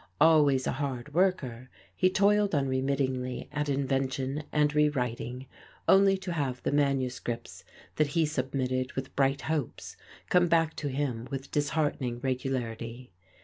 Always a hard worker, he toiled unremittingly at invention and rewriting, only to have the manuscripts that he submitted with bright hopes come back to him with disheartening regularity.